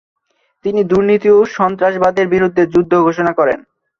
তিনি দুর্নীতি ও সন্ত্রাসবাদের বিরুদ্ধে যুদ্ধ ঘোষণা করেন।